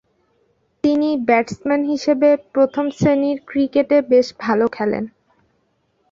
তিনি ব্যাটসম্যান হিসেবে প্রথম-শ্রেণীর ক্রিকেটে বেশ ভালো খেলেন।